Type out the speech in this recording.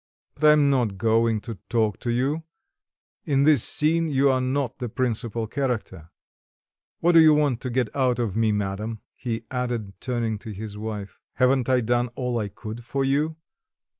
But I am not going to talk to you; in this scene you are not the principal character. What do you want to get out of me, madam?" he added, turning to his wife. "Haven't I done all I could for you?